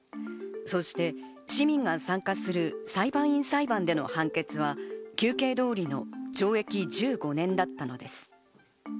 そして市民が参加する裁判員裁判での判決は、求刑通りの懲役１５年だったのです。